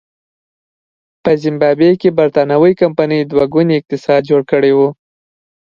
په زیمبابوې کې برېټانوۍ کمپنۍ دوه ګونی اقتصاد جوړ کړی و.